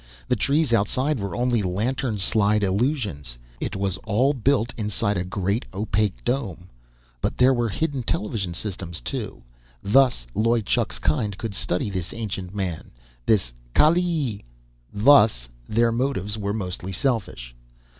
The trees outside were only lantern slide illusions. It was all built inside a great, opaque dome. But there were hidden television systems, too. Thus Loy Chuk's kind could study this ancient man this Kaalleee. Thus, their motives were mostly selfish.